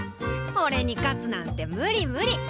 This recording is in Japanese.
おれに勝つなんて無理無理！